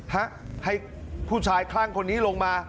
ฮะให้ผู้ชายคลั่งคนนี้ลงมา